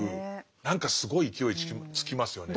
何かすごい勢いつきますよね。